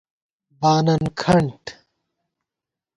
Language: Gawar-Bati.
بانَن کھنٹ